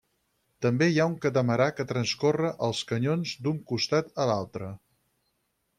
També hi ha un catamarà que transcorre els canyons d'un costat a l'altre.